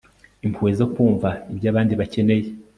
impuhwe zo kumva ibyo abandi bakeneye